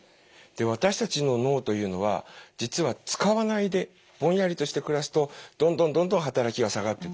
で私たちの脳というのは実は使わないでぼんやりとして暮らすとどんどんどんどん働きが下がっていってしまう。